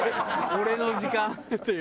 俺の時間っていう。